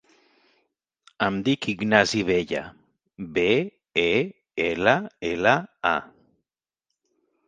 Em dic Ignasi Bella: be, e, ela, ela, a.